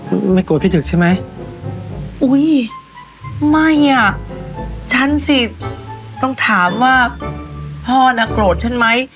ไม่โกรธพี่จึกใช่ไหมอุ้ยไม่อ่ะฉันสิต้องถามว่าพ่อน่ะโกรธฉันไหม